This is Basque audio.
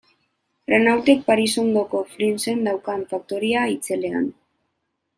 Renaultek Paris ondoko Flinsen daukan faktoria itzelean.